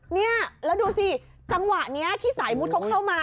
เนี่ยแล้วดูสิจังหวะนี้ที่สายมุดเขาเข้ามา